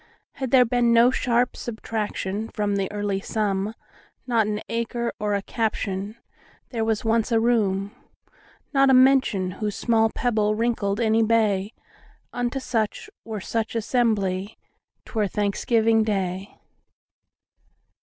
Had there been no sharp subtractionFrom the early sum, Not an acre or a captionWhere was once a room, Not a mention, whose small pebbleWrinkled any bay,—Unto such, were such assembly,'T were Thanksgiving day.